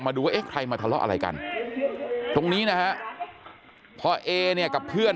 มาดูไอ้ใครมาทะเลาะอะไรกันตรงนี้นะครับเพราะเอเนี่ยกับเพื่อน